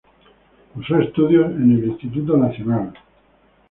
Cursó estudios en el Instituto Nacional.